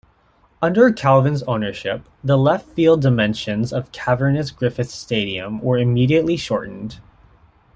Under Calvin's ownership, the left-field dimensions of cavernous Griffith Stadium were immediately shortened.